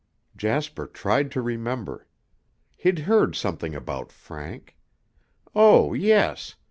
Jasper tried to remember. He'd heard something about Frank. Oh, yes.